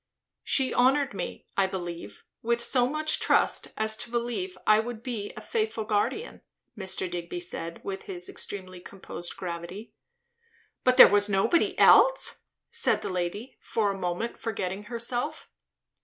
"She honoured me, I believe, with so much trust as to believe I would be a faithful guardian," Mr. Digby said, with his extremely composed gravity. "But was there nobody else?" said the lady, for a moment forgetting herself.